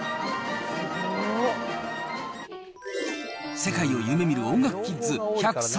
世界を夢みる音楽キッズ１０３